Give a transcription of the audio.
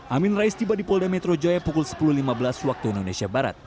amin rais tiba di polda metro jaya pukul sepuluh lima belas waktu indonesia barat